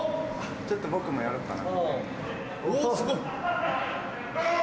ちょっと僕もやろっかな。